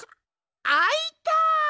あいた！